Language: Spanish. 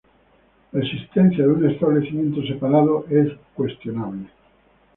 La existencia de un establecimiento separado es cuestionable.